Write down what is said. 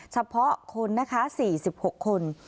เฉพาะคน๔๖คน